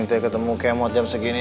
kita ketemu kayak mau jam segini